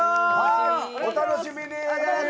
お楽しみに！